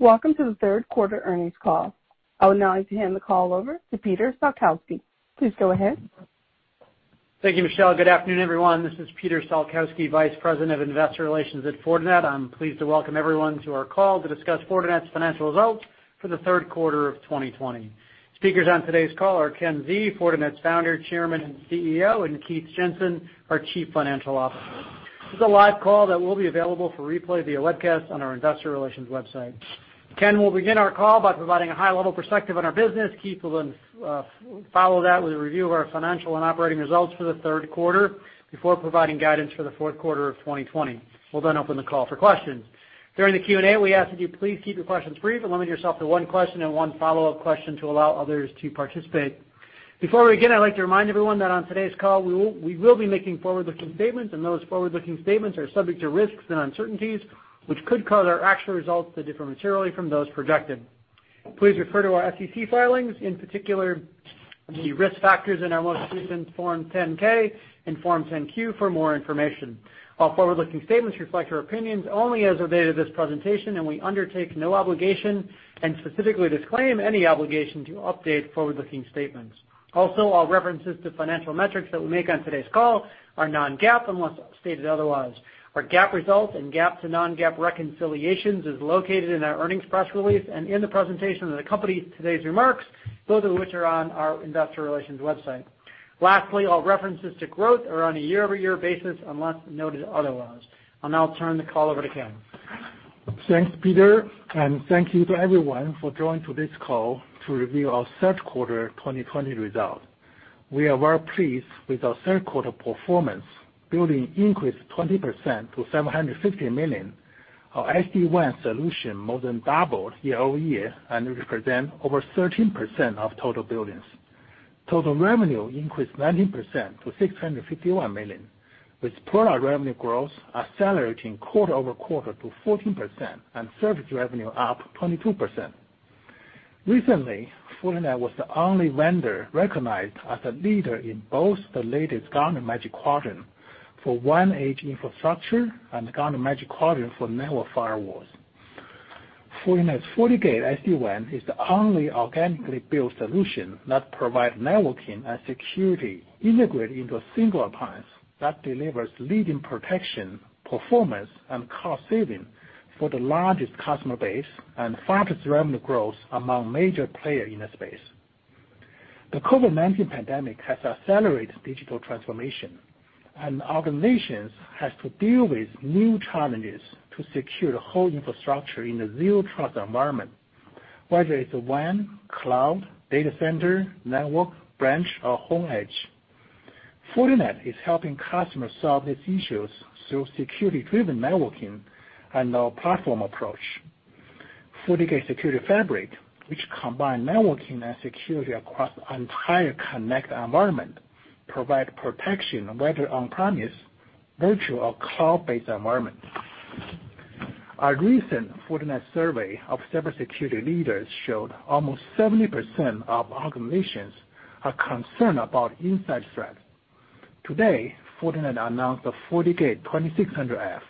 Welcome to the third quarter earnings call. I would now like to hand the call over to Peter Salkowski. Please go ahead. Thank you, Michelle. Good afternoon, everyone. This is Peter Salkowski, Vice President of Investor Relations at Fortinet. I'm pleased to welcome everyone to our call to discuss Fortinet's financial results for the third quarter of 2020. Speakers on today's call are Ken Xie, Fortinet's founder, Chairman, and CEO, and Keith Jensen, our Chief Financial Officer. This is a live call that will be available for replay via webcast on our investor relations website. Ken will begin our call by providing a high-level perspective on our business. Keith will then follow that with a review of our financial and operating results for the third quarter before providing guidance for the fourth quarter of 2020. We'll then open the call for questions. During the Q&A, we ask that you please keep your questions brief and limit yourself to one question and one follow-up question to allow others to participate. Before we begin, I'd like to remind everyone that on today's call, we will be making forward-looking statements. Those forward-looking statements are subject to risks and uncertainties, which could cause our actual results to differ materially from those projected. Please refer to our SEC filings, in particular, the risk factors in our most recent Form 10-K and Form 10-Q for more information. All forward-looking statements reflect our opinions only as of the date of this presentation. We undertake no obligation and specifically disclaim any obligation to update forward-looking statements. All references to financial metrics that we make on today's call are non-GAAP unless stated otherwise. Our GAAP results and GAAP to non-GAAP reconciliations is located in our earnings press release and in the presentation of the company's today's remarks, both of which are on our investor relations website. Lastly, all references to growth are on a year-over-year basis, unless noted otherwise. I'll now turn the call over to Ken. Thanks, Peter, thank you to everyone for joining this call to review our third quarter 2020 results. We are well pleased with our third quarter performance, billings increased 20% to $750 million. Our SD-WAN solution more than doubled year-over-year and represents over 13% of total billings. Total revenue increased 19% to $651 million, with product revenue growth accelerating quarter-over-quarter to 14% and service revenue up 22%. Recently, Fortinet was the only vendor recognized as a leader in both the latest Gartner Magic Quadrant for WAN Edge Infrastructure and Gartner Magic Quadrant for network firewalls. Fortinet's FortiGate SD-WAN is the only organically built solution that provides networking and security integrated into a single appliance that delivers leading protection, performance, and cost savings for the largest customer base and fastest revenue growth among major players in the space. The COVID-19 pandemic has accelerated digital transformation, and organizations have to deal with new challenges to secure the whole infrastructure in a zero trust environment, whether it's WAN, cloud, data center, network, branch, or home edge. Fortinet is helping customers solve these issues through Security-Driven Networking and our platform approach. Fortinet Security Fabric, which combines networking and security across the entire connected environment, provides protection whether on-premise, virtual, or cloud-based environment. Our recent Fortinet survey of cybersecurity leaders showed almost 70% of organizations are concerned about inside threats. Today, Fortinet announced the FortiGate 2600F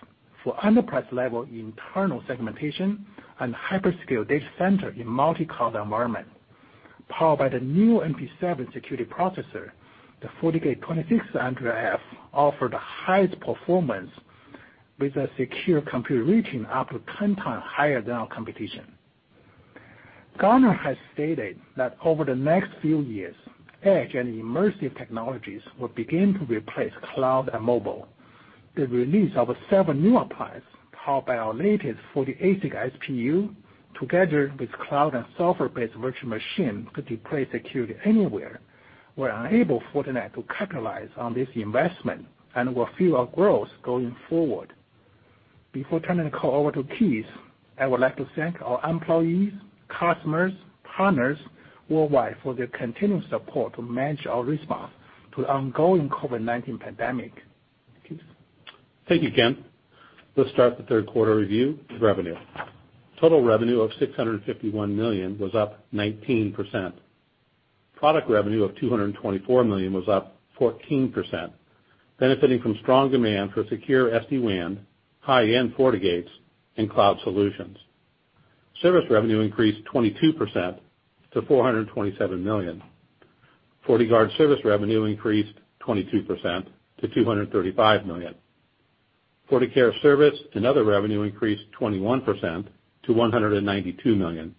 for enterprise-level internal segmentation and hyperscale data center in multi-cloud environment. Powered by the new NP7 security processor, the FortiGate 2600F offers the highest performance with a Security Compute Rating up to 10 times higher than our competition. Gartner has stated that over the next few years, edge and immersive technologies will begin to replace cloud and mobile. The release of seven new appliance powered by our latest ASIC SPU, together with cloud and software-based virtual machines to deploy security anywhere, will enable Fortinet to capitalize on this investment and will fuel our growth going forward. Before turning the call over to Keith, I would like to thank our employees, customers, partners worldwide for their continued support to manage our response to the ongoing COVID-19 pandemic. Keith? Thank you, Ken. Let's start the third quarter review with revenue. Total revenue of $651 million was up 19%. Product revenue of $224 million was up 14%, benefiting from strong demand for secure SD-WAN, high-end FortiGates, and cloud solutions. Service revenue increased 22% to $427 million. FortiGuard service revenue increased 22% to $235 million. FortiCare service and other revenue increased 21% to $192 million.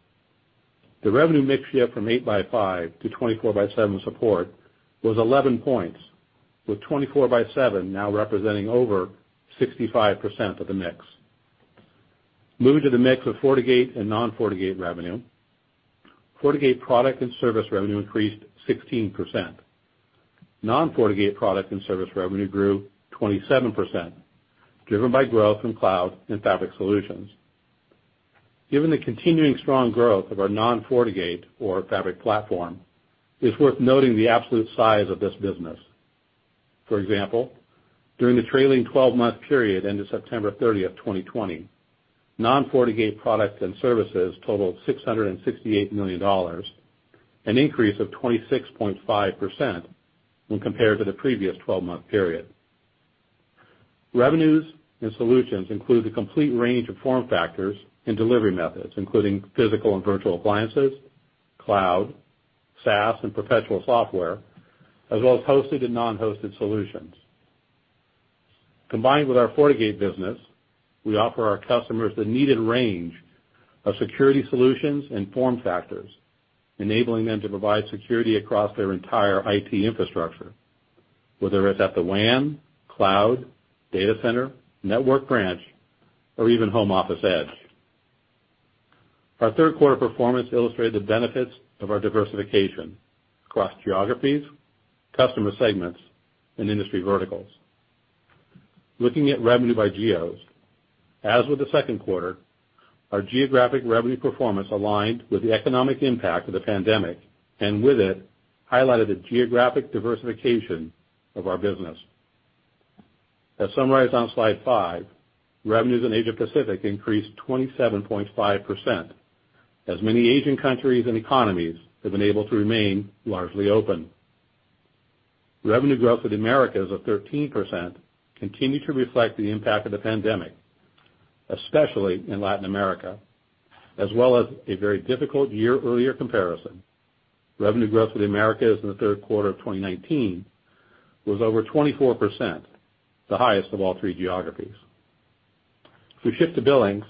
The revenue mix shift from 8x5 to 24x7 support was 11 points, with 24x7 now representing over 65% of the mix. Moving to the mix of FortiGate and non-FortiGate revenue. FortiGate product and service revenue increased 16%. Non-FortiGate product and service revenue grew 27%, driven by growth in cloud and fabric solutions. Given the continuing strong growth of our non-FortiGate or fabric platform, it's worth noting the absolute size of this business. For example, during the trailing 12-month period ending September 30th, 2020, non-FortiGate product and services totaled $668 million. An increase of 26.5% when compared to the previous 12-month period. Revenues and solutions include the complete range of form factors and delivery methods, including physical and virtual appliances, cloud, SaaS, and professional software, as well as hosted and non-hosted solutions. Combined with our FortiGate business, we offer our customers the needed range of security solutions and form factors, enabling them to provide security across their entire IT infrastructure, whether it's at the WAN, cloud, data center, network branch, or even home office edge. Our third quarter performance illustrated the benefits of our diversification across geographies, customer segments, and industry verticals. Looking at revenue by geos, as with the second quarter, our geographic revenue performance aligned with the economic impact of the pandemic, and with it, highlighted the geographic diversification of our business. As summarized on slide five, revenues in Asia Pacific increased 27.5%, as many Asian countries and economies have been able to remain largely open. Revenue growth for the Americas of 13% continue to reflect the impact of the pandemic, especially in Latin America, as well as a very difficult year-earlier comparison. Revenue growth for the Americas in the third quarter of 2019 was over 24%, the highest of all three geographies. If we shift to billings,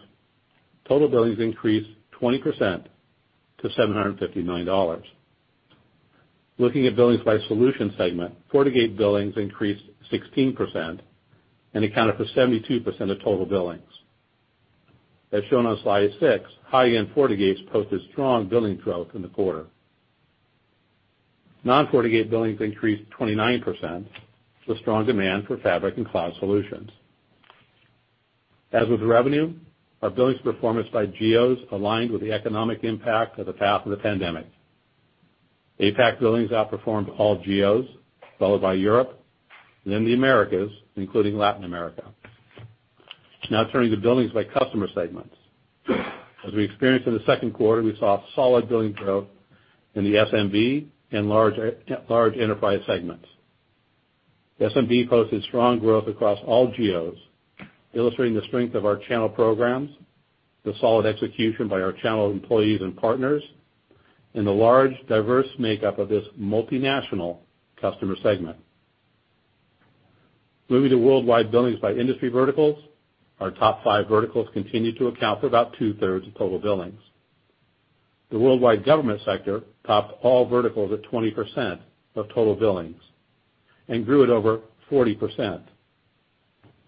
total billings increased 20% to $750 million. Looking at billings by solution segment, FortiGate billings increased 16% and accounted for 72% of total billings. As shown on slide six, high-end FortiGates posted strong billings growth in the quarter. Non-FortiGate billings increased 29%, with strong demand for fabric and cloud solutions. As with revenue, our billings performance by geos aligned with the economic impact of the path of the pandemic. APAC billings outperformed all geos, followed by Europe, and then the Americas, including Latin America. Turning to billings by customer segments. As we experienced in the second quarter, we saw solid billings growth in the SMB and large enterprise segments. SMB posted strong growth across all geos, illustrating the strength of our channel programs, the solid execution by our channel employees and partners, and the large, diverse makeup of this multinational customer segment. Moving to worldwide billings by industry verticals, our top five verticals continue to account for about two-thirds of total billings. The worldwide government sector topped all verticals at 20% of total billings and grew at over 40%.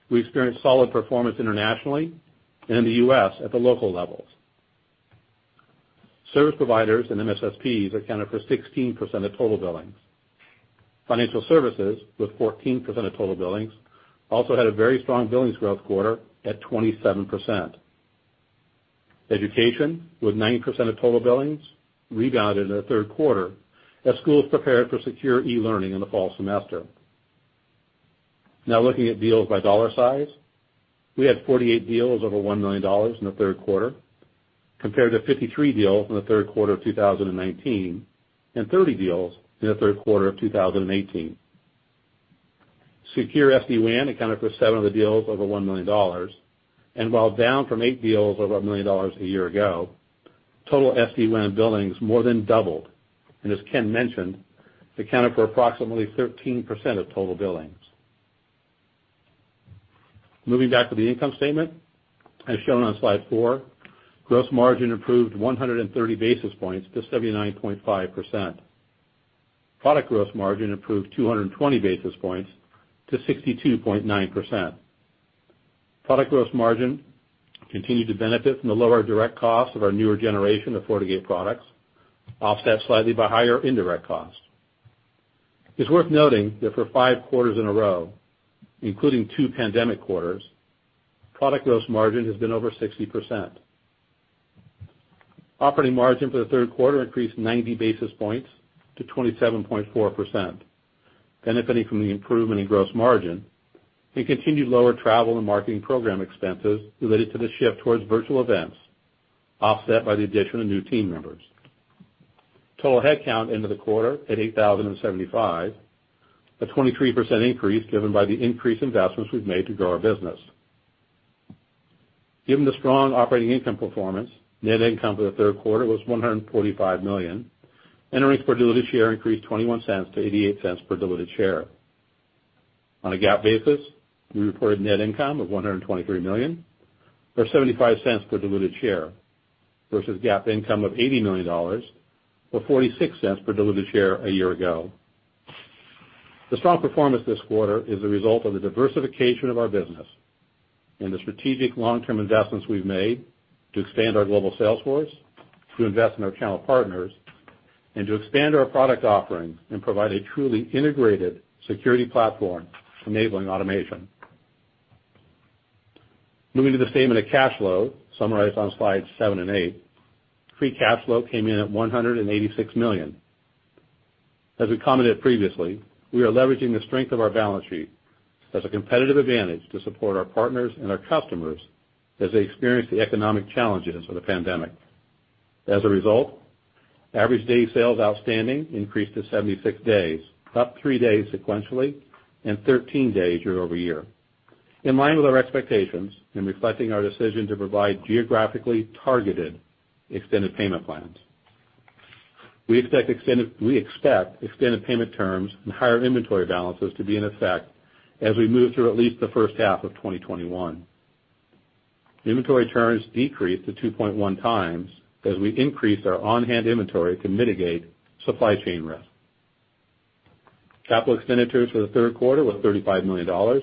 We experienced solid performance internationally and in the U.S. at the local levels. Service providers and MSSPs accounted for 16% of total billings. Financial services, with 14% of total billings, also had a very strong billings growth quarter at 27%. Education, with 9% of total billings, rebounded in the third quarter as schools prepared for secure e-learning in the fall semester. Now looking at deals by dollar size. We had 48 deals over $1 million in the third quarter compared to 53 deals in the third quarter of 2019, and 30 deals in the third quarter of 2018. Secure SD-WAN accounted for seven of the deals over $1 million, and while down from eight deals over $1 million a year ago, total SD-WAN billings more than doubled, and as Ken mentioned, accounted for approximately 13% of total billings. Moving back to the income statement. As shown on slide four, gross margin improved 130 basis points to 79.5%. Product gross margin improved 220 basis points to 62.9%. Product gross margin continued to benefit from the lower direct cost of our newer generation of FortiGate products, offset slightly by higher indirect costs. It's worth noting that for five quarters in a row, including two pandemic quarters, product gross margin has been over 60%. Operating margin for the third quarter increased 90 basis points to 27.4%, benefiting from the improvement in gross margin and continued lower travel and marketing program expenses related to the shift towards virtual events, offset by the addition of new team members. Total headcount into the quarter at 8,075, a 23% increase driven by the increased investments we've made to grow our business. Given the strong operating income performance, net income for the third quarter was $145 million, and earnings per diluted share increased $0.21 to $0.88 per diluted share. On a GAAP basis, we reported net income of $123 million, or $0.75 per diluted share, versus GAAP income of $80 million, or $0.46 per diluted share a year ago. The strong performance this quarter is a result of the diversification of our business and the strategic long-term investments we've made to expand our global sales force, to invest in our channel partners, and to expand our product offerings and provide a truly integrated security platform enabling automation. Moving to the statement of cash flow, summarized on slides seven and eight. Free cash flow came in at $186 million. As we commented previously, we are leveraging the strength of our balance sheet as a competitive advantage to support our partners and our customers as they experience the economic challenges of the pandemic. As a result, average day sales outstanding increased to 76 days, up three days sequentially, and 13 days year-over-year. In line with our expectations in reflecting our decision to provide geographically targeted extended payment plans. We expect extended payment terms and higher inventory balances to be in effect as we move through at least the first half of 2021. Inventory turns decreased to 2.1x as we increased our on-hand inventory to mitigate supply chain risk. Capital expenditures for the third quarter were $35 million,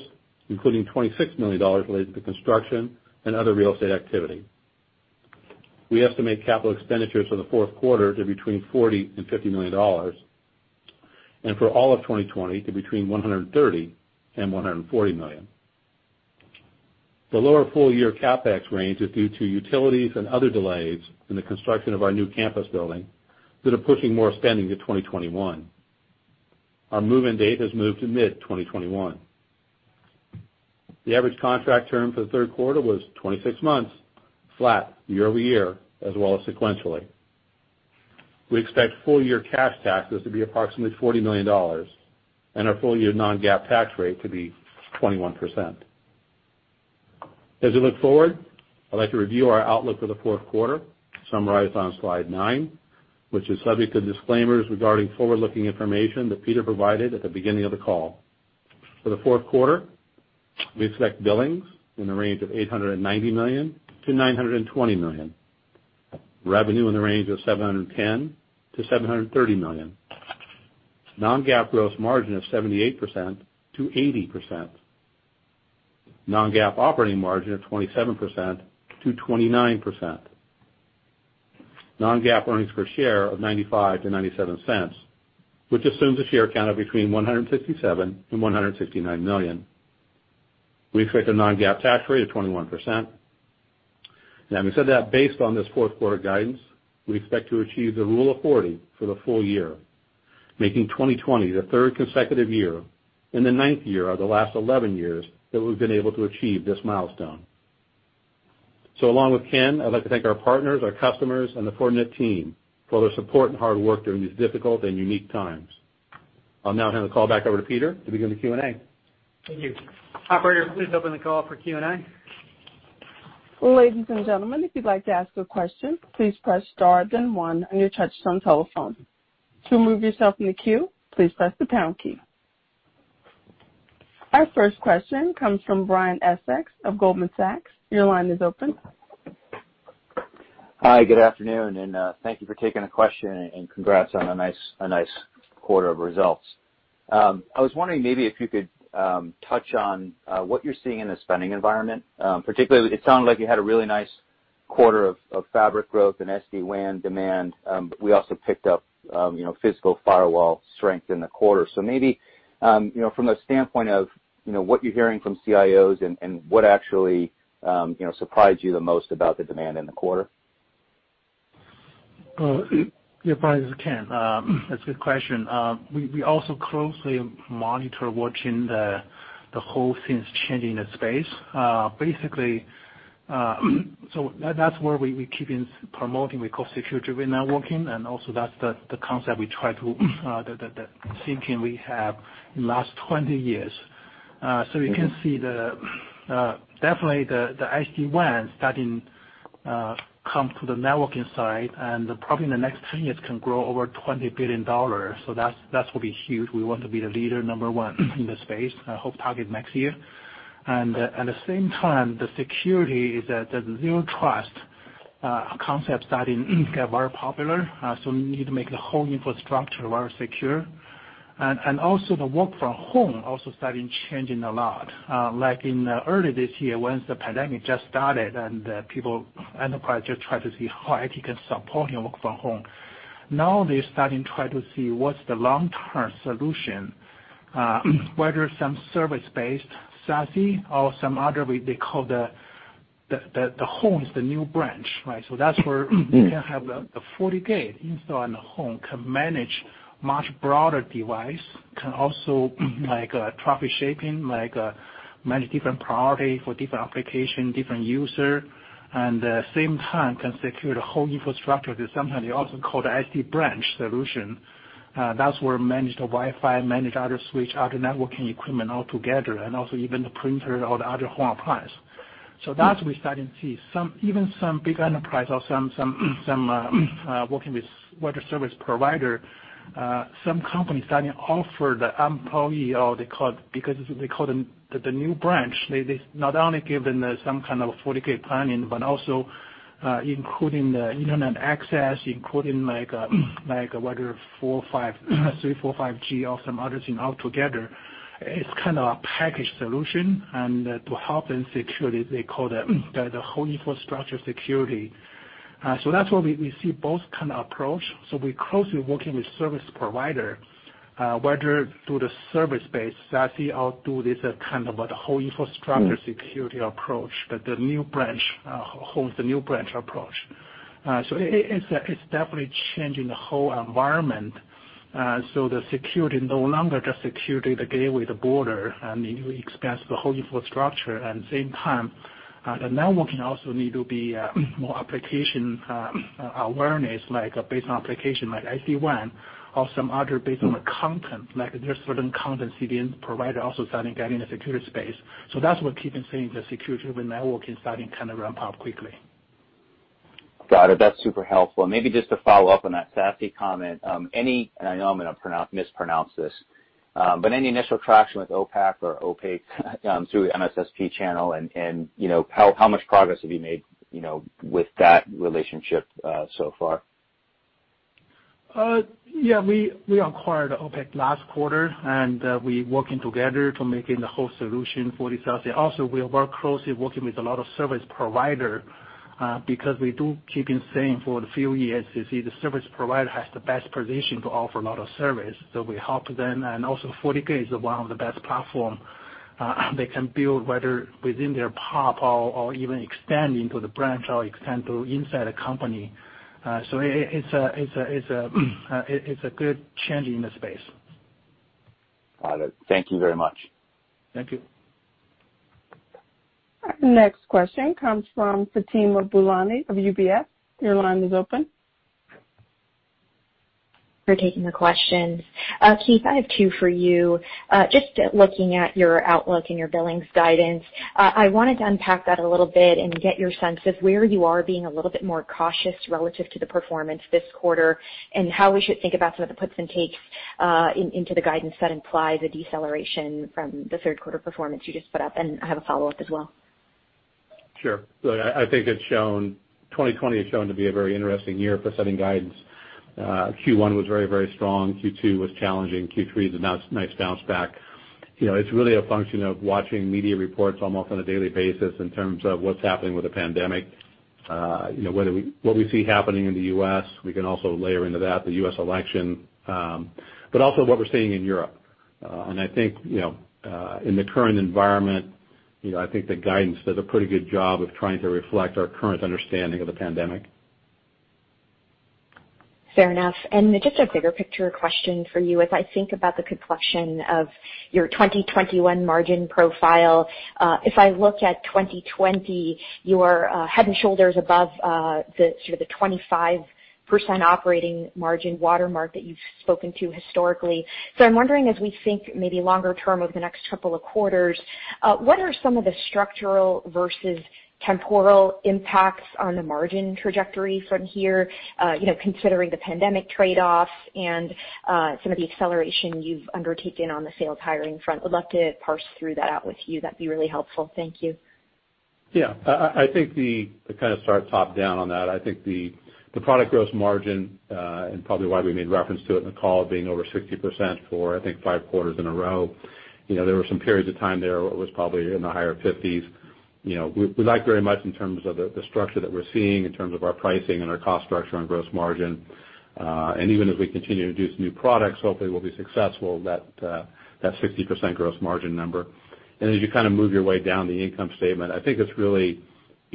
including $26 million related to construction and other real estate activity. We estimate capital expenditures for the fourth quarter to between $40 and $50 million, and for all of 2020 to between $130 and $140 million. The lower full-year CapEx range is due to utilities and other delays in the construction of our new campus building that are pushing more spending to 2021. Our move-in date has moved to mid-2021. The average contract term for the third quarter was 26 months, flat year-over-year, as well as sequentially. We expect full-year cash taxes to be approximately $40 million, and our full-year non-GAAP tax rate to be 21%. As we look forward, I'd like to review our outlook for the fourth quarter, summarized on slide nine, which is subject to disclaimers regarding forward-looking information that Peter provided at the beginning of the call. For the fourth quarter, we expect billings in the range of $890 million-$920 million. Revenue in the range of $710 million-$730 million. Non-GAAP gross margin of 78%-80%. Non-GAAP operating margin of 27%-29%. Non-GAAP earnings per share of $0.95-$0.97, which assumes a share count of between 157 million and 169 million. We expect a non-GAAP tax rate of 21%. We said that based on this fourth quarter guidance, we expect to achieve the rule of 40 for the full year, making 2020 the third consecutive year, and the ninth year of the last 11 years that we've been able to achieve this milestone. Along with Ken, I'd like to thank our partners, our customers, and the Fortinet team for their support and hard work during these difficult and unique times. I'll now hand the call back over to Peter to begin the Q&A. Thank you. Operator, please open the call for Q&A. Our first question comes from Brian Essex of Goldman Sachs. Your line is open. Hi, good afternoon, thank you for taking the question and congrats on a nice quarter of results. I was wondering maybe if you could touch on what you're seeing in the spending environment. Particularly, it sounded like you had a really nice quarter of Fabric growth and SD-WAN demand. We also picked up physical firewall strength in the quarter. Maybe, from the standpoint of what you're hearing from CIOs and what actually surprised you the most about the demand in the quarter? Brian, this is Ken. That's a good question. We also closely monitor watching the whole things changing the space. Basically, that's where we keep promoting, we call Security-Driven Networking, and also that's the concept we try to, the thinking we have in the last 20 years. We can see definitely the SD-WAN starting come to the networking side, and probably in the next 10 years can grow over $20 billion. That will be huge. We want to be the leader, number one in the space, I hope target next year. At the same time, the security is at the zero trust concept starting to get very PoPular. We need to make the whole infrastructure very secure. Also the work from home also starting changing a lot. Like in early this year when the pandemic just started and enterprise just tried to see how IT can support you work from home. Now they're starting try to see what's the long-term solution, whether some service-based SASE or some other way. They call the home is the new branch, right? That's where you can have the FortiGate installed in the home, can manage much broader device, can also like traffic shaping, manage different priority for different application, different user, and same time can secure the whole infrastructure that sometimes they also call the SD-Branch solution. That's where manage the Wi-Fi, manage other switch, other networking equipment altogether, and also even the printer or the other home appliance. That's we're starting to see. Even some big enterprise or some working with service provider, some companies starting offer the employee, or because they call them the new branch, they not only giving some kind of FortiGate planning, but also including the internet access, including whether 3G, 4G, 5G or some other thing altogether. It's a packaged solution, and to help in security, they call the whole infrastructure security. That's why we see both kind of approach. We're closely working with service provider, whether through the service-based SASE or through this whole infrastructure security approach, the home is the new branch approach. It's definitely changing the whole environment. The security no longer just security the gateway, the border, and it expands the whole infrastructure. At the same time, the networking also need to be more application awareness, like a base application like SD-WAN or some other based on the content. There are certain content CDN providers also starting getting a security space. That's what keeping saying the security of the network is starting to ramp up quickly. Got it. That's super helpful. Maybe just to follow up on that SASE comment, any, and I know I'm going to mispronounce this, but any initial traction with OPAQ or OPAQ through the MSSP channel, and how much progress have you made with that relationship so far? Yeah. We acquired OPAQ last quarter, and we working together to making the whole solution for the SASE. Also, we are work closely working with a lot of service provider, because we do keep in saying for the few years, you see the service provider has the best position to offer a lot of service, so we help them. FortiGate is one of the best platform they can build, whether within their PoP or even expand into the branch or expand through inside a company. It's a good change in the space. Got it. Thank you very much. Thank you. Next question comes from Fatima Boolani of UBS. Your line is open. For taking the questions. Keith, I have two for you. Just looking at your outlook and your billings guidance, I wanted to unpack that a little bit and get your sense of where you are being a little bit more cautious relative to the performance this quarter, and how we should think about some of the puts and takes into the guidance that implies a deceleration from the third quarter performance you just put up. I have a follow-up as well. Sure. Look, I think 2020 has shown to be a very interesting year for setting guidance. Q1 was very, very strong. Q2 was challenging. Q3 is a nice bounce back. It's really a function of watching media reports almost on a daily basis in terms of what's happening with the pandemic. What we see happening in the U.S., we can also layer into that, the U.S. election, also what we're seeing in Europe. I think, in the current environment, I think the guidance does a pretty good job of trying to reflect our current understanding of the pandemic. Fair enough. Just a bigger picture question for you, as I think about the complexion of your 2021 margin profile. If I look at 2020, you are head and shoulders above the 25% operating margin watermark that you've spoken to historically. I'm wondering, as we think maybe longer-term over the next couple of quarters, what are some of the structural versus temporal impacts on the margin trajectory from here? Considering the pandemic trade-off and some of the acceleration you've undertaken on the sales hiring front. Would love to parse through that out with you. That'd be really helpful. Thank you. Yeah. To start top-down on that, I think the product gross margin, and probably why we made reference to it in the call, being over 60% for, I think, five quarters in a row. There were some periods of time there where it was probably in the higher 50s. We like very much in terms of the structure that we're seeing, in terms of our pricing and our cost structure and gross margin. Even as we continue to introduce new products, hopefully we'll be successful, that 60% gross margin number. As you move your way down the income statement, I think it's really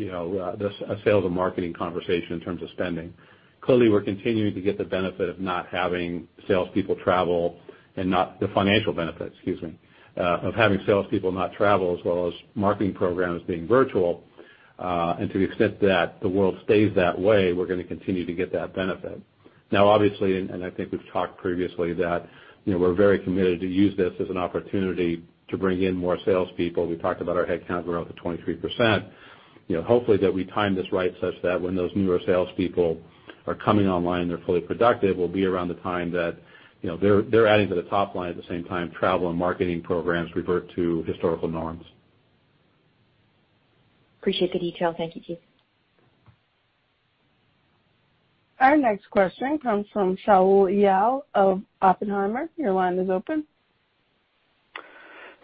a sales and marketing conversation in terms of spending. Clearly, we're continuing to get the benefit of not having salespeople travel, and not the financial benefit, excuse me, of having salespeople not travel, as well as marketing programs being virtual. To the extent that the world stays that way, we're going to continue to get that benefit. Now, obviously, and I think we've talked previously, that we're very committed to use this as an opportunity to bring in more salespeople. We talked about our headcount grow up to 23%. Hopefully that we time this right such that when those newer salespeople are coming online, they're fully productive, will be around the time that they're adding to the top line at the same time travel and marketing programs revert to historical norms. Appreciate the detail. Thank you, Keith. Our next question comes from Shaul Eyal of Oppenheimer. Your line is open.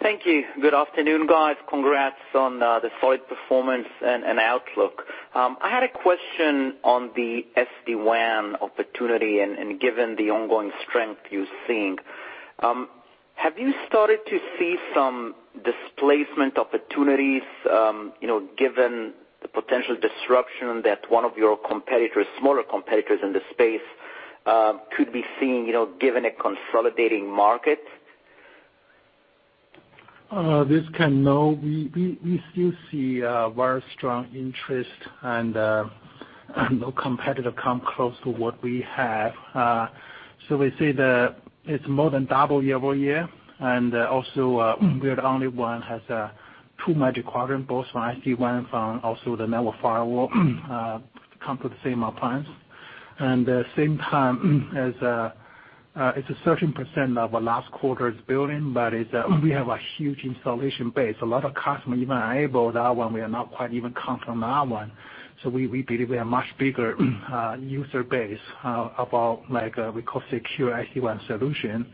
Thank you. Good afternoon, guys. Congrats on the solid performance and outlook. I had a question on the SD-WAN opportunity, and given the ongoing strength you're seeing. Have you started to see some displacement opportunities, given the potential disruption that one of your competitors, smaller competitors in this space, could be seeing, given a consolidating market? We still see very strong interest, no competitor come close to what we have. We see that it's more than double year-over-year, also we are the only one has two Magic Quadrant, both from SD-WAN from also the network firewall come to the same plans. Same time, it's a certain % of last quarter's billings, we have a huge installation base. A lot of customers even enable that one, we are not quite even count on that one. We believe we are much bigger user base, about like we call secure SD-WAN solution.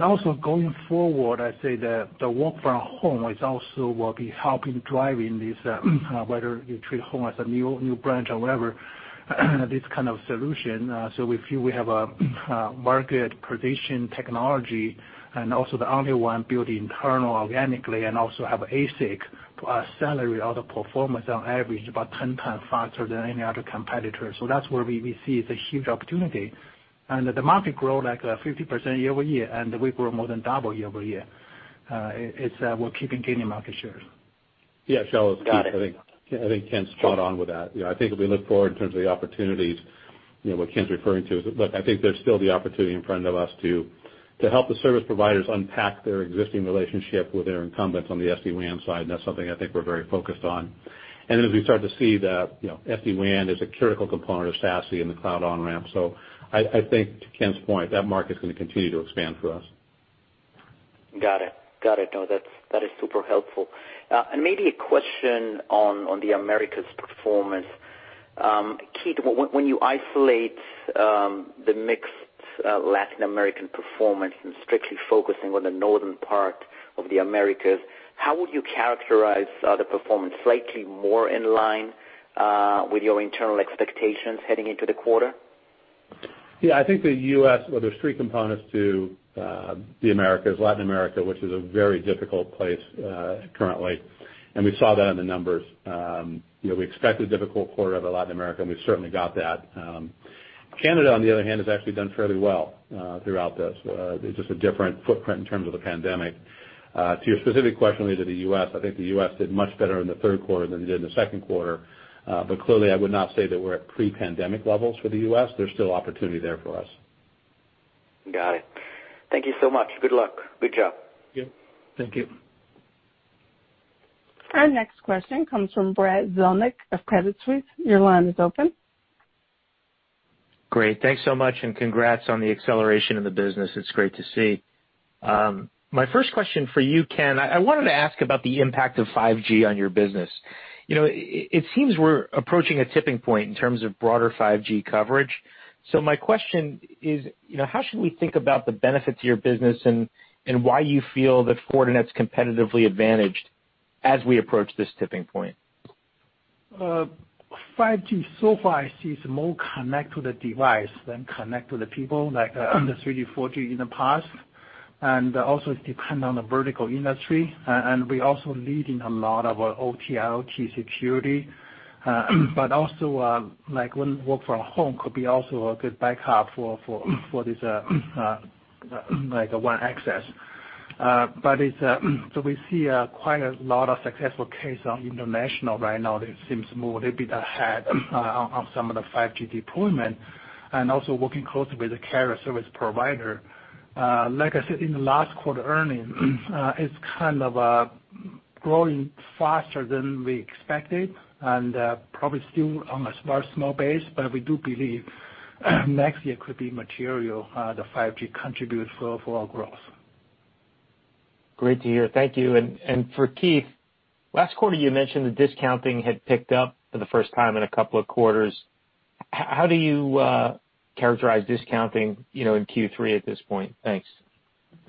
Also going forward, I say that the work from home is also will be helping driving this, whether you treat home as a new branch or whatever, this kind of solution. We feel we have a market position technology and also the only one built internal organically and also have ASIC SPU or the performance on average about 10 times faster than any other competitor. That's where we see the huge opportunity. The market grow like 50% year-over-year, and we grow more than double year-over-year. We're keeping gaining market shares. Yeah, Shaul Eyal. Got it. Keith, I think Ken's spot on with that. I think if we look forward in terms of the opportunities, what Ken's referring to, look, I think there's still the opportunity in front of us to help the service providers unpack their existing relationship with their incumbents on the SD-WAN side, and that's something I think we're very focused on. As we start to see that SD-WAN is a critical component of SASE and the cloud on-ramp. I think to Ken's point, that market's going to continue to expand for us. Got it. No, that is super helpful. Maybe a question on the Americas performance. Keith, when you isolate the mixed Latin American performance and strictly focusing on the northern part of the Americas, how would you characterize the performance? Slightly more in line with your internal expectations heading into the quarter? Yeah, I think the U.S., well, there's three components to the Americas. Latin America, which is a very difficult place currently, and we saw that in the numbers. We expected a difficult quarter out of Latin America, and we've certainly got that. Canada, on the other hand, has actually done fairly well throughout this. Just a different footprint in terms of the pandemic. To your specific question related to the U.S., I think the U.S. did much better in the third quarter than it did in the second quarter. But clearly I would not say that we're at pre-pandemic levels for the U.S. There's still opportunity there for us. Got it. Thank you so much. Good luck. Good job. Yeah. Thank you. Our next question comes from Brad Zelnick of Credit Suisse. Your line is open. Great. Thanks so much, congrats on the acceleration of the business. It's great to see. My first question for you, Ken, I wanted to ask about the impact of 5G on your business. It seems we're approaching a tipping point in terms of broader 5G coverage. My question is: how should we think about the benefit to your business and why you feel that Fortinet's competitively advantaged as we approach this tipping point? 5G so far I see is more connect to the device than connect to the people, like the 3G, 4G in the past. Also, it depend on the vertical industry, and we also leading a lot of OT/IoT security. Also, like when work from home could be also a good backup for this one access. We see quite a lot of successful case on international right now that seems more a bit ahead on some of the 5G deployment. Also working closely with the carrier service provider. Like I said, in the last quarter earnings, it's kind of growing faster than we expected and probably still on a very small base, but we do believe next year could be material, the 5G contribute for our growth. Great to hear. Thank you. For Keith, last quarter you mentioned the discounting had picked up for the first time in a couple of quarters. How do you characterize discounting in Q3 at this point? Thanks.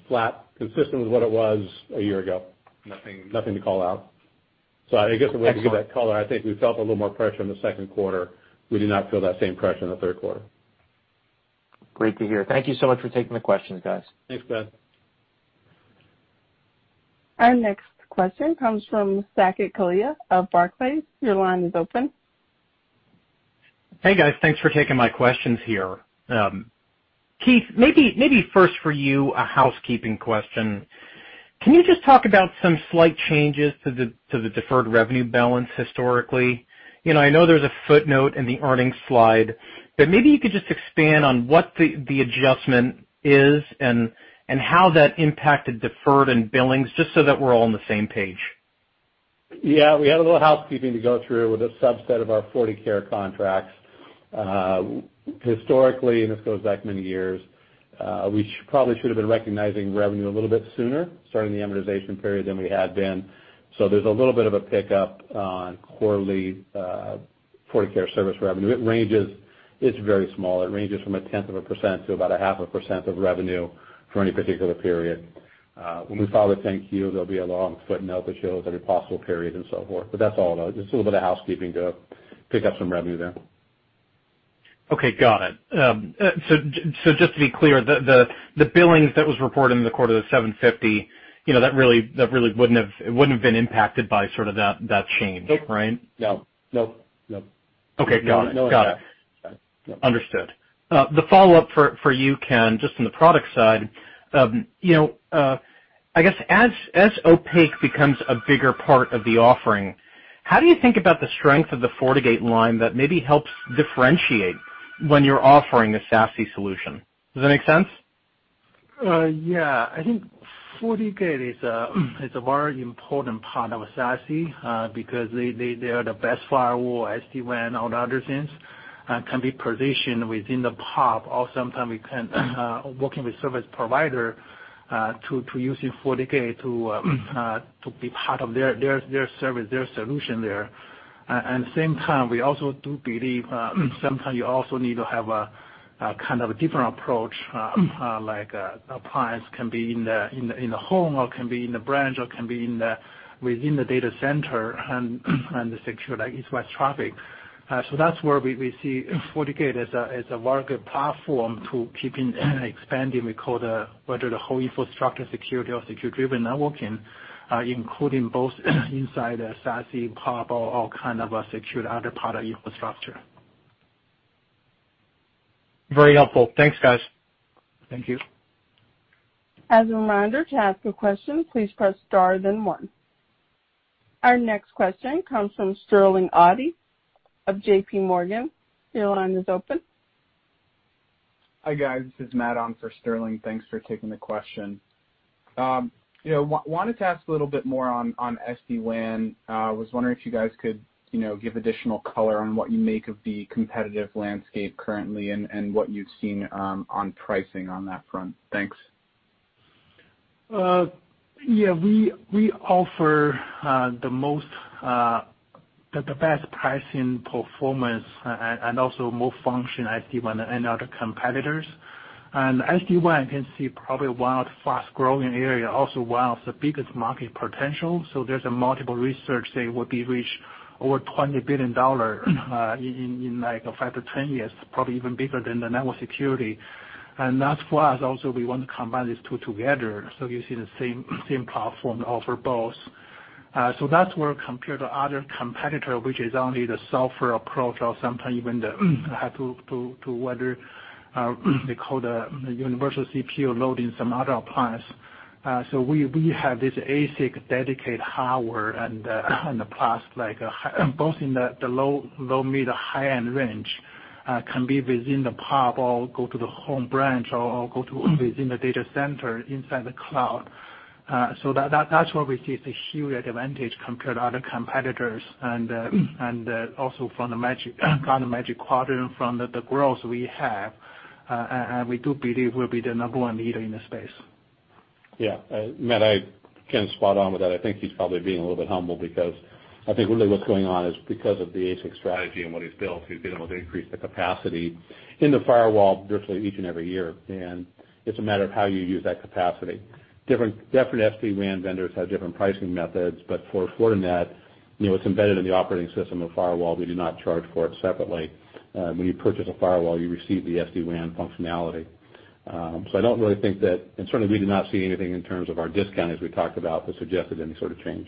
Flat. Consistent with what it was a year ago. Nothing. Nothing to call out. I guess the way to give that color, I think we felt a little more pressure in the second quarter. We did not feel that same pressure in the third quarter. Great to hear. Thank you so much for taking the questions, guys. Thanks, Brad. Our next question comes from Saket Kalia of Barclays. Your line is open. Hey, guys. Thanks for taking my questions here. Keith, maybe first for you, a housekeeping question. Can you just talk about some slight changes to the deferred revenue balance historically? I know there's a footnote in the earnings slide. Maybe you could just expand on what the adjustment is and how that impacted deferred and billings, just so that we're all on the same page. We had a little housekeeping to go through with a subset of our FortiCare contracts. Historically, this goes back many years, we probably should've been recognizing revenue a little bit sooner, starting the amortization period than we had been. There's a little bit of a pickup on quarterly FortiCare service revenue. It's very small. It ranges from a tenth of a % to about a half a % of revenue for any particular period. When we file the 10-Q, there'll be a long footnote that shows every possible period and so forth, that's all. Just a little bit of housekeeping to pick up some revenue there. Okay. Got it. Just to be clear, the billings that was reported in the quarter, the $750, that really wouldn't have been impacted by sort of that change, right? Nope. No. Okay. Got it. No impact. Understood. The follow-up for you, Ken, just on the product side. I guess as OPAQ becomes a bigger part of the offering, how do you think about the strength of the FortiGate line that maybe helps differentiate when you're offering a SASE solution? Does that make sense? Yeah. I think FortiGate is a very important part of SASE, because they are the best firewall, SD-WAN, all the other things, can be positioned within the PoP or sometime we can working with service provider to using FortiGate to be part of their service, their solution there. Same time, we also do believe sometimes you also need to have a different approach, like appliance can be in the home or can be in the branch or can be within the data center and secure east-west traffic. That's where we see FortiGate as a larger platform to keeping expanding whether the whole infrastructure security or Security-Driven Networking, including both inside the SASE, PoP or all kind of secured other product infrastructure. Very helpful. Thanks, guys. Thank you. As a reminder, to ask a question, please press star then one. Our next question comes from Sterling Auty of JPMorgan. Your line is open. Hi, guys. This is Matt on for Sterling. Thanks for taking the question. I wanted to ask a little bit more on SD-WAN. I was wondering if you guys could give additional color on what you make of the competitive landscape currently and what you've seen on pricing on that front. Thanks. Yeah. We offer the best pricing performance and also more function SD-WAN and other competitors. SD-WAN can see probably one of the fast-growing area, also one of the biggest market potential. There's a multiple research, say, will be reached over $20 billion in five-10 years, probably even bigger than the network security. That's for us, also, we want to combine these two together, so you see the same platform offer both. That's where, compared to other competitor, which is only the software approach or sometimes even have to whether they call the universal CPE load in some other appliance. We have this ASIC dedicated hardware and the plus, both in the low, mid, high-end range, can be within the PoP or go to the home branch or go to within the data center inside the cloud. That's where we see the huge advantage compared to other competitors. Also from the Gartner Magic Quadrant, from the growth we have, and we do believe we'll be the number one leader in the space. Yeah. Matt, Ken's spot on with that. I think he's probably being a little bit humble because I think really what's going on is because of the ASIC strategy and what he's built, he's been able to increase the capacity in the firewall virtually each and every year. It's a matter of how you use that capacity. Different SD-WAN vendors have different pricing methods, but for Fortinet, it's embedded in the operating system of firewall. We do not charge for it separately. When you purchase a firewall, you receive the SD-WAN functionality. I don't really think that, and certainly we do not see anything in terms of our discount as we talked about, that suggested any sort of change.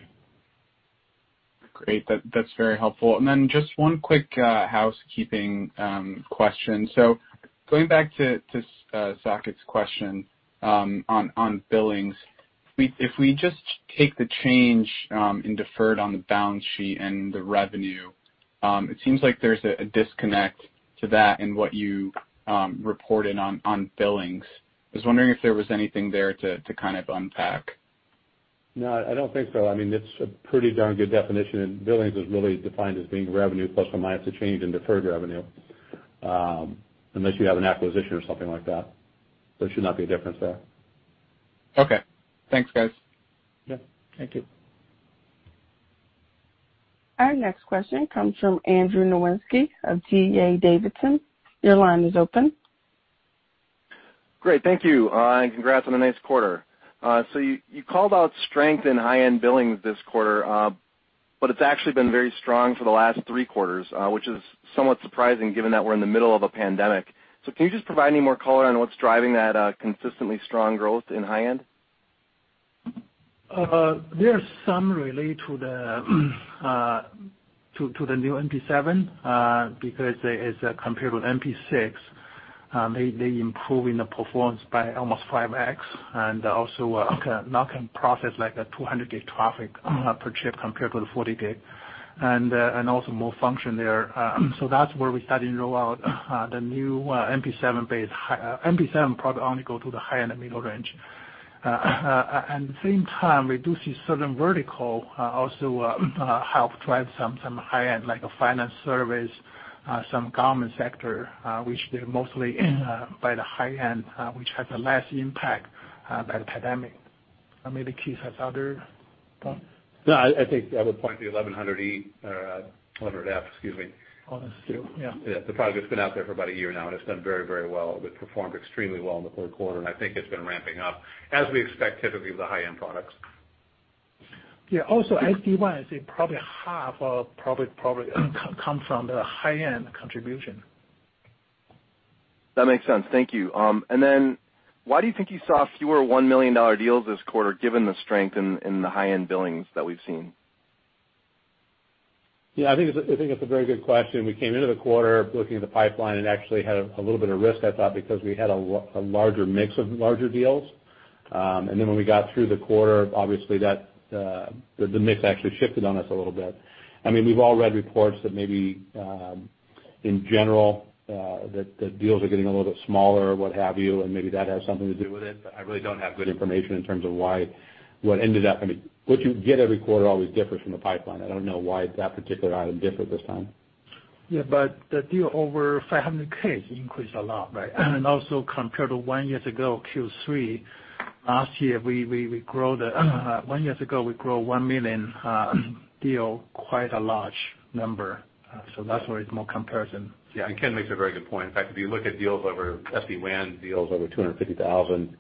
Great. That's very helpful. Just one quick housekeeping question. Going back to Saket's question on billings. If we just take the change in deferred on the balance sheet and the revenue, it seems like there's a disconnect to that in what you reported on billings. I was wondering if there was anything there to kind of unpack. No, I don't think so. It's a pretty darn good definition, and billings is really defined as being revenue plus or minus the change in deferred revenue. Unless you have an acquisition or something like that, there should not be a difference there. Okay. Thanks, guys. Yeah. Thank you. Our next question comes from Andrew Nowinski of D.A. Davidson. Your line is open. Great. Thank you. Congrats on a nice quarter. You called out strength in high-end billings this quarter, but it's actually been very strong for the last three quarters, which is somewhat surprising given that we're in the middle of a pandemic. Can you just provide any more color on what's driving that consistently strong growth in high-end? There are some relate to the new NP7, because as compared with NP6, they improve in the performance by almost 5x, and also now can process a 200 gig traffic per chip compared to the 40 gig, and also more function there. That's where we started to roll out the new NP7 base. NP7 product only go to the high-end and middle range. At the same time, we do see certain vertical also help drive some high-end, like a financial service, some government sector, which they're mostly by the high-end, which had the less impact by the pandemic. Maybe Keith has other thoughts. No, I think I would point to the 1100E or 1100F, excuse me. On this too, yeah. Yeah. The product that's been out there for about a year now, and it's done very well, but performed extremely well in the fourth quarter, and I think it's been ramping up, as we expect typically with the high-end products. Yeah. Also SD-WAN, I say probably half of profit probably comes from the high-end contribution. That makes sense. Thank you. Then why do you think you saw fewer $1 million deals this quarter, given the strength in the high-end billings that we've seen? Yeah. I think it's a very good question. We came into the quarter looking at the pipeline and actually had a little bit of risk, I thought, because we had a larger mix of larger deals. When we got through the quarter, obviously the mix actually shifted on us a little bit. We've all read reports that maybe, in general, that deals are getting a little bit smaller or what have you, and maybe that has something to do with it. I really don't have good information in terms of what you get every quarter always differs from the pipeline. I don't know why that particular item differed this time. Yeah, the deal over $500K increased a lot. Also compared to one year ago, Q3 last year, we grow $1 million deal, quite a large number. That's where it's more comparison. Yeah, Ken makes a very good point. In fact, if you look at SD-WAN deals over 250,000,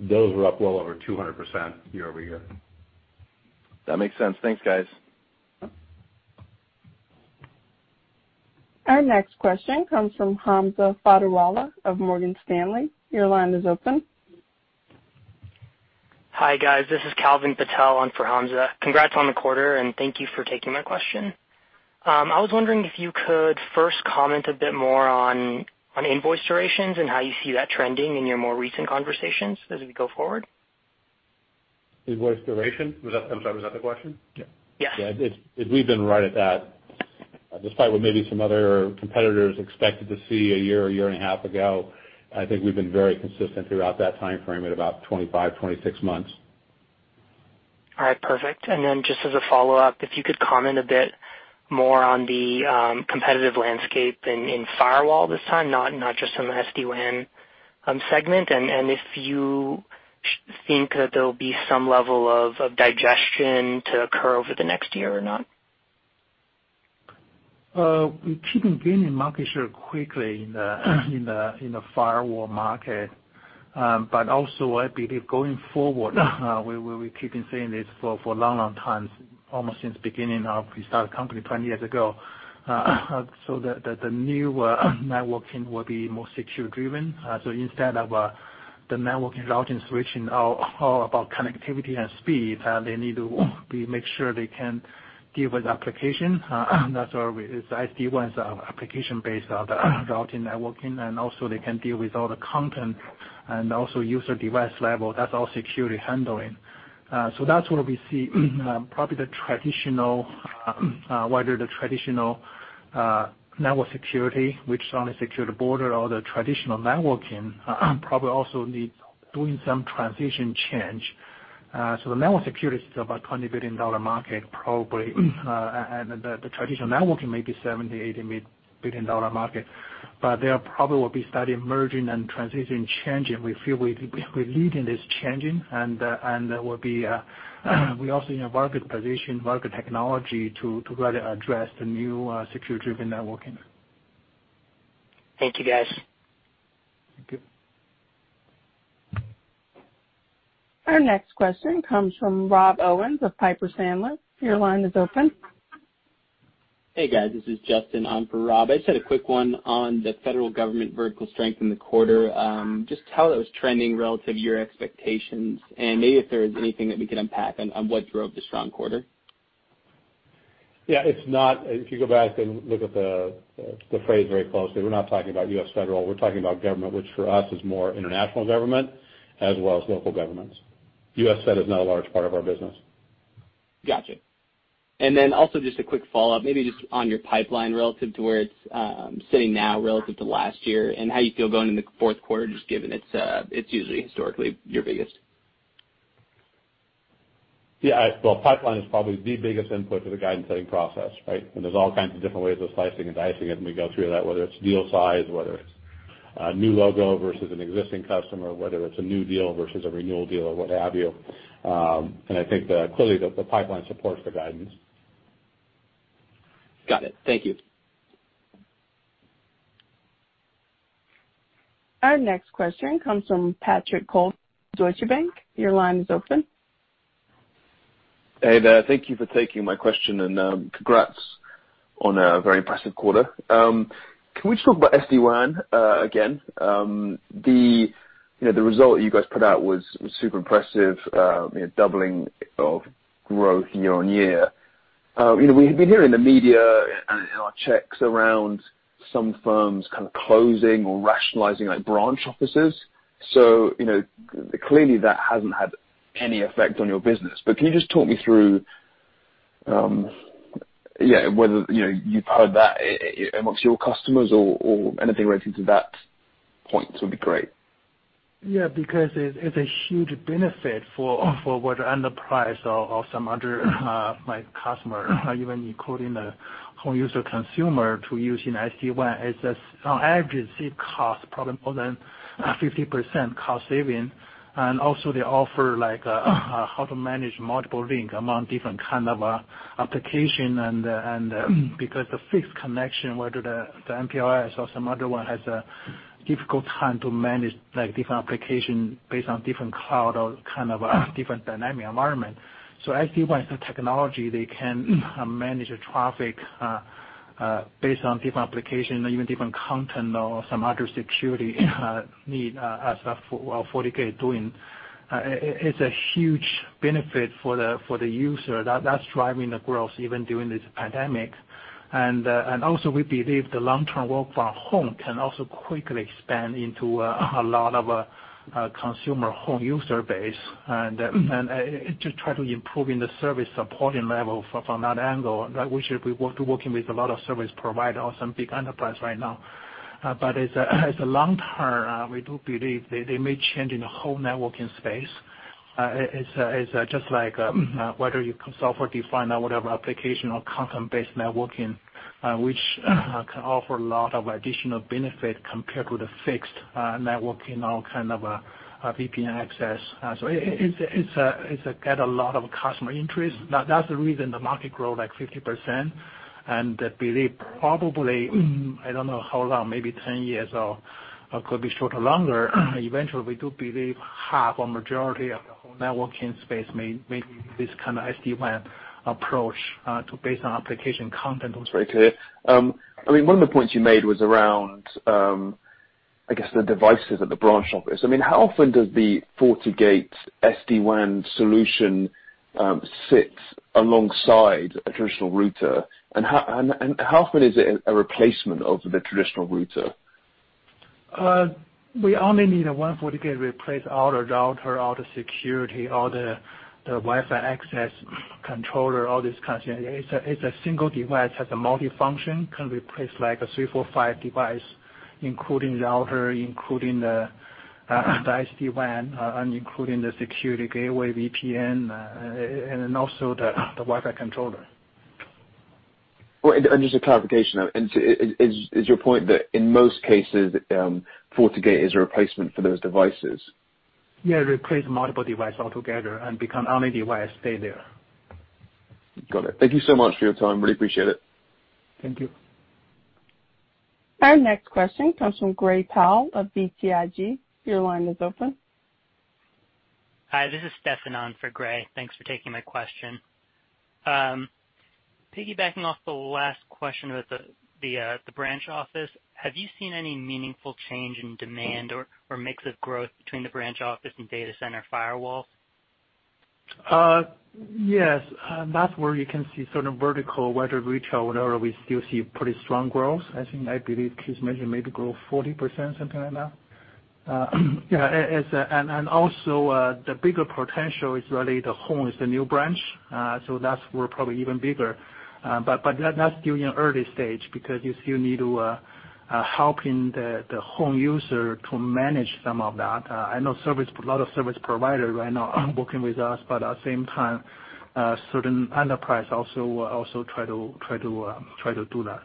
those were up well over 200% year-over-year. That makes sense. Thanks, guys. Our next question comes from Hamza Fodderwala of Morgan Stanley. Your line is open. Hi, guys. This is Calvin Patel for Hamza. Congrats on the quarter, and thank you for taking my question. I was wondering if you could first comment a bit more on invoice durations and how you see that trending in your more recent conversations as we go forward. Invoice duration? I'm sorry, was that the question? Yeah. Yeah. We've been right at that. Despite what maybe some other competitors expected to see a year or a year and a half ago, I think we've been very consistent throughout that timeframe at about 25, 26 months. All right, perfect. Just as a follow-up, if you could comment a bit more on the competitive landscape in firewall this time, not just in the SD-WAN segment, and if you think there'll be some level of digestion to occur over the next year or not? We keeping gaining market share quickly in the firewall market. Also, I believe going forward, we will keeping saying this for a long, long time, almost since beginning of we start the company 20 years ago, that the new networking will be more Security-Driven. Instead of the network and routing switching all about connectivity and speed, they need to make sure they can deal with application. That's why SD-WAN is an application-based routing networking, and also they can deal with all the content and also user device level. That's all security handling. That's what we see, whether the traditional network security, which only secure the border or the traditional networking, probably also need doing some transition change. The network security is about $20 billion market probably, and the traditional networking may be $70 billion-$80 billion market. There probably will be start emerging and transition changing. We feel we're leading this changing, and we also in a market position, market technology to really address the new Security-Driven Networking. Thank you, guys. Thank you. Our next question comes from Rob Owens of Piper Sandler. Your line is open. Hey, guys. This is Justin. I'm for Rob. I just had a quick one on the federal government vertical strength in the quarter. Just how that was trending relative to your expectations, and maybe if there is anything that we can unpack on what drove the strong quarter? If you go back and look at the phrase very closely, we're not talking about U.S. federal, we're talking about government, which for us is more international government as well as local governments. U.S. fed is not a large part of our business. Got you. Also just a quick follow-up, maybe just on your pipeline relative to where it's sitting now relative to last year and how you feel going into the fourth quarter, just given it's usually historically your biggest. Yeah. Well, pipeline is probably the biggest input to the guidance setting process, right? There's all kinds of different ways of slicing and dicing it, and we go through that, whether it's deal size, whether it's a new logo versus an existing customer, whether it's a new deal versus a renewal deal or what have you. I think that clearly the pipeline supports the guidance. Got it. Thank you. Our next question comes from Patrick Colville, Deutsche Bank. Your line is open. Hey, there. Thank you for taking my question, and congrats on a very impressive quarter. Can we just talk about SD-WAN again? The result you guys put out was super impressive, doubling of growth year-over-year. We've been hearing in the media and in our checks around some firms kind of closing or rationalizing branch offices. Clearly that hasn't had any effect on your business, but can you just talk me through whether you've heard that amongst your customers or anything related to that point would be great. Yeah, because it's a huge benefit for what enterprise or some other customer, even including the home user consumer to using SD-WAN. On average, it costs probably more than 50% cost saving. They offer how to manage multiple link among different kind of application, and because the fixed connection, whether the MPLS or some other one, has a difficult time to manage different application based on different cloud or different dynamic environment. SD-WAN technology, they can manage the traffic based on different application, even different content or some other security need as FortiGate doing. It's a huge benefit for the user. That's driving the growth even during this pandemic. We believe the long-term work from home can also quickly expand into a lot of consumer home user base, and to try to improving the service supporting level from that angle. We should be working with a lot of service providers, some big enterprise right now. As a long term, we do believe they may change in the whole networking space. It's just like whether you can software define or whatever application or content-based networking, which can offer a lot of additional benefit compared to the fixed networking or VPN access. It's got a lot of customer interest. That's the reason the market grow like 50% and believe probably, I don't know how long, maybe 10 years or could be shorter, longer. Eventually, we do believe half or majority of the whole networking space may make this kind of SD-WAN approach, to base on application content. That's very clear. One of the points you made was around, I guess, the devices at the branch office. How often does the FortiGate SD-WAN solution sit alongside a traditional router? How often is it a replacement of the traditional router? We only need one FortiGate to replace all the router, all the security, all the Wi-Fi access controller, all this kind of thing. It's a single device, has a multifunction, can replace like a three, four, five device, including router, including the SD-WAN, and including the security gateway VPN, and then also the Wi-Fi controller. Well, just a clarification. Is your point that in most cases, FortiGate is a replacement for those devices? Yeah, replace multiple device altogether and become only device stay there. Got it. Thank you so much for your time. Really appreciate it. Thank you. Our next question comes from Gray Powell of BTIG. Your line is open. Hi, this is Stefan on for Gray. Thanks for taking my question. Piggybacking off the last question with the branch office, have you seen any meaningful change in demand or mix of growth between the branch office and data center firewall? That's where you can see sort of vertical, whether retail, whatever, we still see pretty strong growth. I believe Keith mentioned maybe grow 40%, something like that. The bigger potential is really the home is the new branch. That's where probably even bigger. That's still in early stage because you still need to helping the home user to manage some of that. I know a lot of service provider right now working with us, at the same time, certain enterprise also try to do that.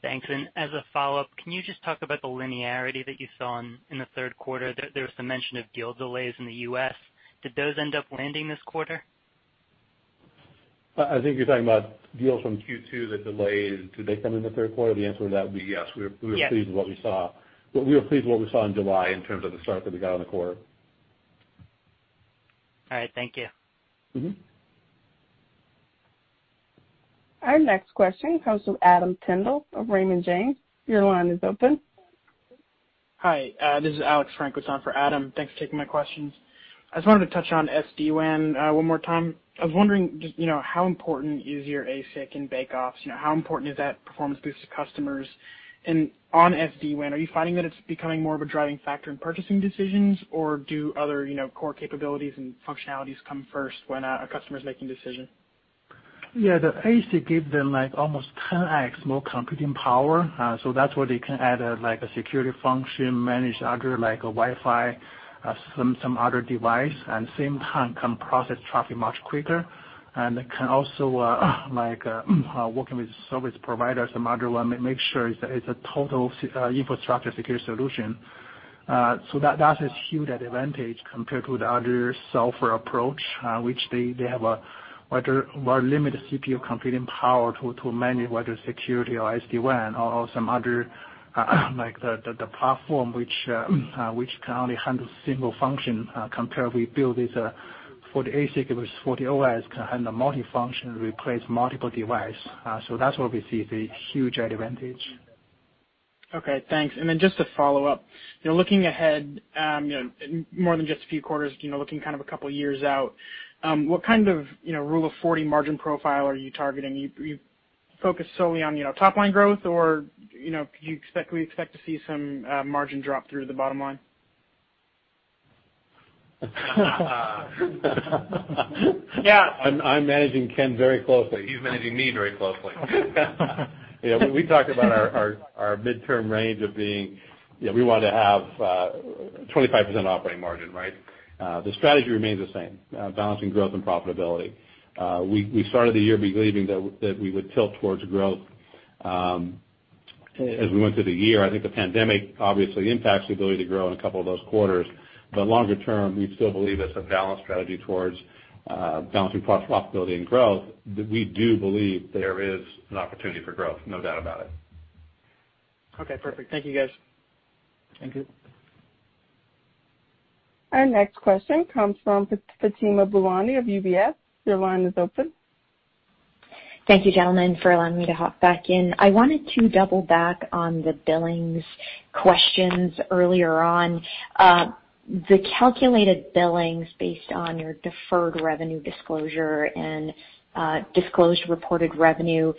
Thanks. As a follow-up, can you just talk about the linearity that you saw in the third quarter? There was some mention of deal delays in the U.S. Did those end up landing this quarter? I think you're talking about deals from Q2 that delayed. Did they come in the third quarter? The answer to that would be yes. Yes. We were pleased with what we saw in July in terms of the start that we got on the quarter. All right. Thank you. Our next question comes from Adam Tindle of Raymond James. Your line is open. Hi, this is Alex Franco on for Adam. Thanks for taking my questions. I just wanted to touch on SD-WAN one more time. I was wondering just how important is your ASIC in bake-offs? How important is that performance boost to customers? On SD-WAN, are you finding that it's becoming more of a driving factor in purchasing decisions, or do other core capabilities and functionalities come first when a customer's making decision? Yeah. The ASIC give them like almost 10x more computing power. That's where they can add a security function, manage other, like a Wi-Fi, some other device, and same time can process traffic much quicker. It can also, working with service providers and other one, make sure it's a total infrastructure security solution. That's a huge advantage compared to the other software approach, which they have a more limited CPU computing power to manage, whether it's security or SD-WAN or some other, like the platform which can only handle single function, compared we build this for the ASIC, with FortiOS, can handle multifunction, replace multiple device. That's where we see the huge advantage. Okay, thanks. Just to follow up, looking ahead, more than just a few quarters, looking kind of a couple years out, what kind of rule of 40 margin profile are you targeting? You focus solely on top line growth, or can we expect to see some margin drop through to the bottom line? Yeah. I'm managing Ken very closely. He's managing me very closely. Yeah. We talk about our midterm range of being, we want to have 25% operating margin, right? The strategy remains the same, balancing growth and profitability. We started the year believing that we would tilt towards growth. As we went through the year, I think the pandemic obviously impacts the ability to grow in a couple of those quarters. Longer term, we still believe it's a balanced strategy towards balancing profitability and growth. We do believe there is an opportunity for growth, no doubt about it. Okay, perfect. Thank you, guys. Thank you. Our next question comes from Fatima Boolani of UBS. Your line is open. Thank you, gentlemen, for allowing me to hop back in. I wanted to double back on the billings questions earlier on. The calculated billings based on your deferred revenue disclosure and disclosed reported revenue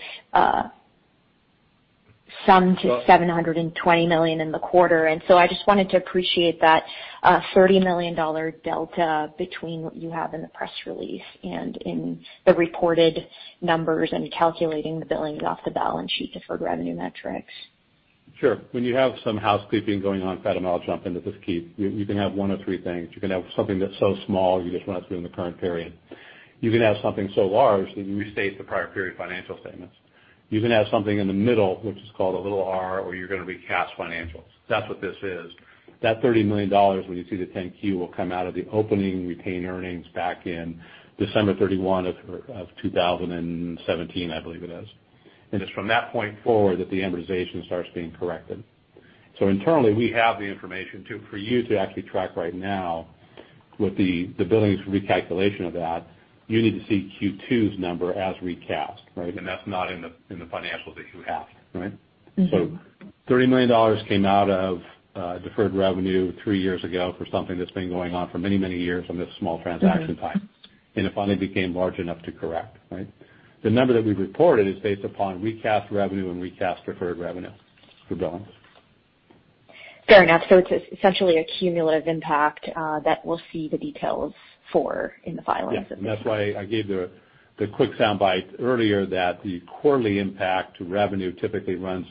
sum to $720 million in the quarter. I just wanted to appreciate that $30 million delta between what you have in the press release and in the reported numbers and calculating the billings off the balance sheet deferred revenue metrics. Sure. When you have some housekeeping going on, Fatima, I'll jump into this, Keith. You can have one of three things. You can have something that's so small you just run it through in the current period. You can have something so large that you restate the prior period financial statements. You can have something in the middle, which is called a little R, where you're going to recast financials. That's what this is. That $30 million, when you see the 10-Q, will come out of the opening retained earnings back in December 31 of 2017, I believe it is. It's from that point forward that the amortization starts being corrected. Internally, we have the information. For you to actually track right now with the billings recalculation of that, you need to see Q2's number as recast, right? That's not in the financials that you have, right? $30 million came out of deferred revenue three years ago for something that's been going on for many, many years on this small transaction size. It finally became large enough to correct, right? The number that we've reported is based upon recast revenue and recast deferred revenue for billings. Fair enough. It's essentially a cumulative impact that we'll see the details for in the filings. That's why I gave the quick soundbite earlier that the quarterly impact to revenue typically runs,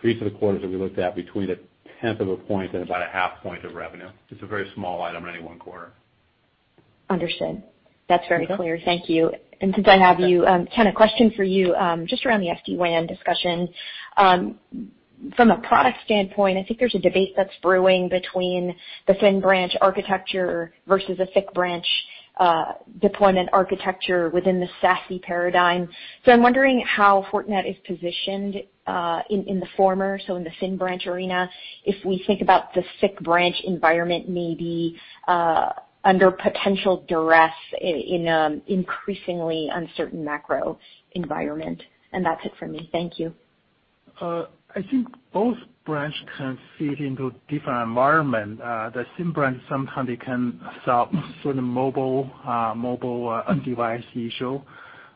three to the quarters that we looked at, between a tenth of a point and about a half point of revenue. It's a very small item in any one quarter. Understood. That's very clear. Thank you. Since I have you, Ken, a question for you, just around the SD-WAN discussion. From a product standpoint, I think there's a debate that's brewing between the thin branch architecture versus a thick branch deployment architecture within the SASE paradigm. I'm wondering how Fortinet is positioned in the former, so in the thin branch arena. If we think about the thick branch environment maybe under potential duress in an increasingly uncertain macro environment. That's it for me. Thank you. I think both branch can fit into different environment. The thin branch, sometime it can solve certain mobile end device issue.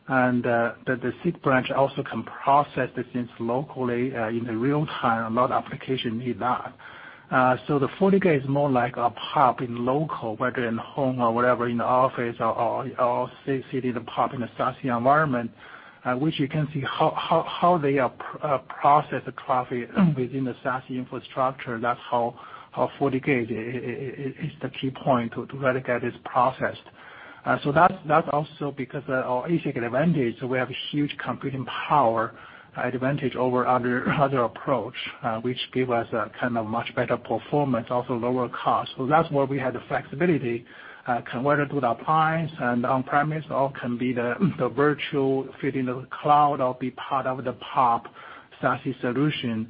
The thick branch also can process the things locally in real time, a lot of application need that. The FortiGate is more like a PoP in local, whether in home or whatever, in the office or sit as a PoP in a SASE environment, which you can see how they process the traffic within the SASE infrastructure. That's how FortiGate is the key point where the data is processed. That's also because our ASIC advantage, so we have a huge computing power advantage over other approach, which give us a much better performance, also lower cost. That's where we have the flexibility, can whether do the appliance and on-premise, or can be the virtual fit in the cloud or be part of the PoP SASE solution.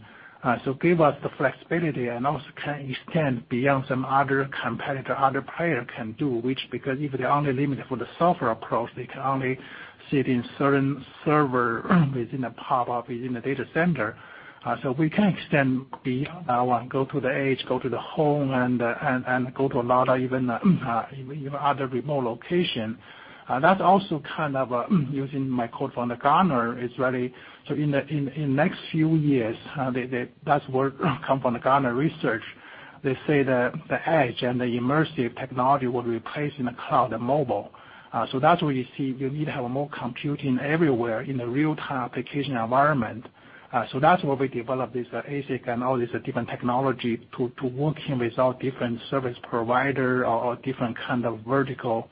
Give us the flexibility and also can extend beyond some other competitor, other player can do, which because if they're only limited for the software approach, they can only sit in certain server within a PoP, within a data center. We can extend beyond that one, go to the edge, go to the home, and go to a lot of even other remote location. That's also, using my quote from the Gartner, is really, in the next few years, that work come from the Gartner Research. They say the edge and the immersive technology will replace in the cloud and mobile. That's where you see you need to have more computing everywhere in the real-time application environment. That's why we developed this ASIC and all these different technology to working with all different service provider or different kind of vertical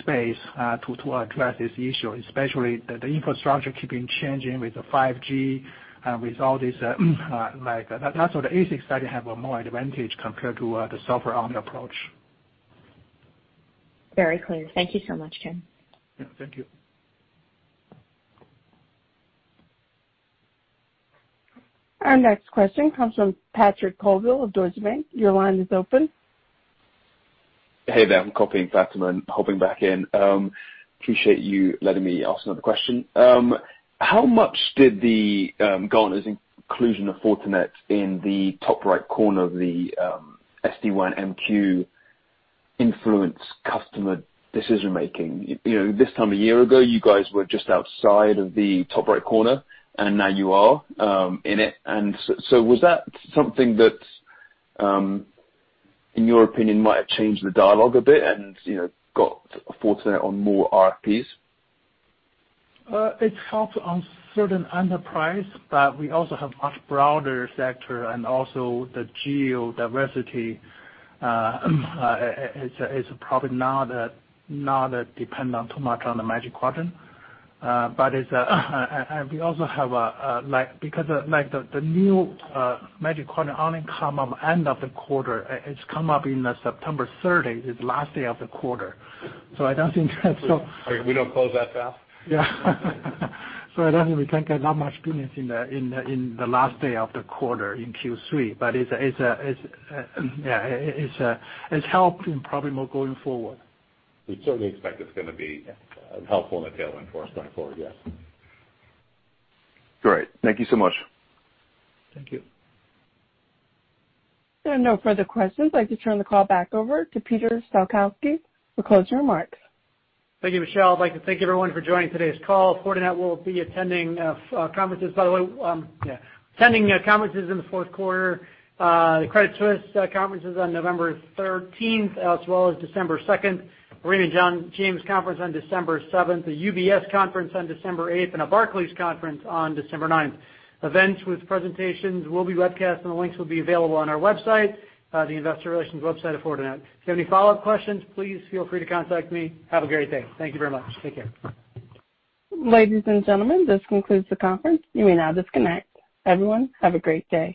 space to address this issue, especially the infrastructure keeping changing with the 5G and with all this. That's where the ASIC side have a more advantage compared to the software-only approach. Very clear. Thank you so much, Ken. Yeah, thank you. Our next question comes from Patrick Colville of Deutsche Bank. Your line is open. Hey there, I'm copying Fatima and hopping back in. Appreciate you letting me ask another question. How much did the Gartner's inclusion of Fortinet in the top right corner of the SD-WAN MQ influence customer decision-making? This time a year ago, you guys were just outside of the top right corner, and now you are in it. Was that something that, in your opinion, might have changed the dialogue a bit and got Fortinet on more RFPs? It helped on certain enterprise, but we also have much broader sector and also the geo-diversity. It's probably not dependent too much on the Magic Quadrant. We also have, because the new Magic Quadrant only come up end of the quarter. It's come up in the September 30. It's last day of the quarter. I don't think. We don't close that fast. Yeah. I don't think we can get that much business in the last day of the quarter in Q3, but it's helped and probably more going forward. We certainly expect it's going to be helpful in the tailwind for us going forward, yes. Great. Thank you so much. Thank you. There are no further questions. I'd like to turn the call back over to Peter Salkowski for closing remarks. Thank you, Michelle. I'd like to thank everyone for joining today's call. Fortinet will be attending conferences in the fourth quarter. The Credit Suisse conference is on November 13th as well as December 2nd. We are in the Jefferies conference on December 7th, the UBS conference on December 8th, and a Barclays conference on December 9th. Events with presentations will be webcast, and the links will be available on our website, the investor relations website of Fortinet. If you have any follow-up questions, please feel free to contact me. Have a great day. Thank you very much. Take care. Ladies and gentlemen, this concludes the conference. You may now disconnect. Everyone, have a great day.